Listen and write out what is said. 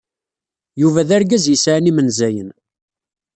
Yuba d argaz yesɛan imenzayen.